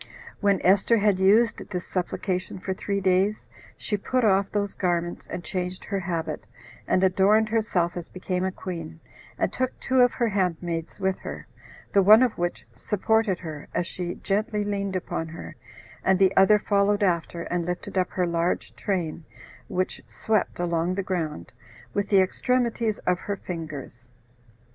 9. When Esther had used this supplication for three days, she put off those garments, and changed her habit, and adorned herself as became a queen, and took two of her handmaids with her, the one of which supported her, as she gently leaned upon her, and the other followed after, and lifted up her large train [which swept along the ground] with the extremities of her fingers.